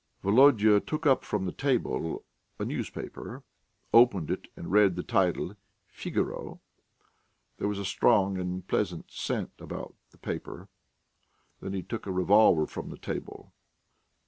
Volodya took up from the table a newspaper, opened it and read the title Figaro ... There was a strong and pleasant scent about the paper. Then he took a revolver from the table....